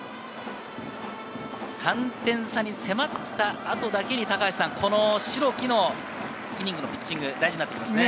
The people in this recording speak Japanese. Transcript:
３点差に迫った後だけに、代木のイニングのピッチング、大事になってきますね。